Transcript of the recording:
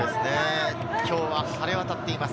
今日は晴れわたっています。